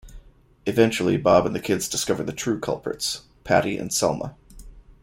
Eventually, Bob and the kids discover the true culprits, Patty and Selma.